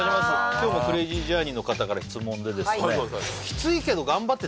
今日もクレイジージャーニーの方から質問でですねありますか？